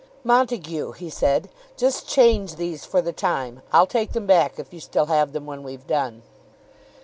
"Montague," he said, "just change these for the time. I'll take them back, if you still have them when we've done."